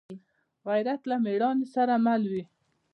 غیرت له مړانې سره مل وي